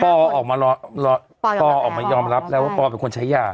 พอออกมารอปอออกมายอมรับแล้วว่าปอเป็นคนใช้ยา